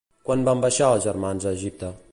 Quan van baixar els germans a Egipte?